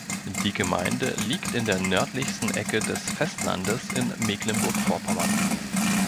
Die Gemeinde liegt in der nördlichsten Ecke des Festlandes in Mecklenburg-Vorpommern.